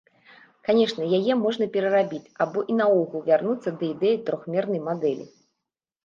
Канешне яе можна перарабіць або і наогул вярнуцца да ідэі трохмернай мадэлі.